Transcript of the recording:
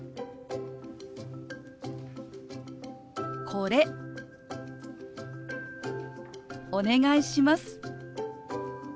「これお願いします」。